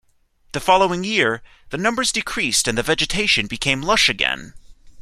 The following year, the numbers decreased and the vegetation became lush again.